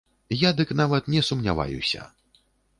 Я дык нават не сумняваюся!